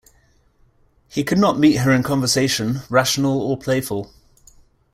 He could not meet her in conversation, rational or playful.